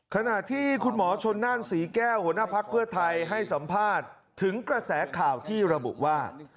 ขณะที่คุณหมอชนนั่นศรีแก้วหัวหน้าภักดิ์เพื่อไทยให้สัมภาษณ์ถึงกระแสข่าวที่ระบุว่า